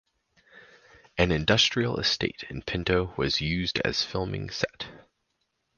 An industrial estate in Pinto was used as filming set.